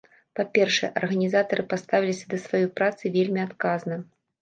Па-першае, арганізатары паставіліся да сваёй працы вельмі адказна.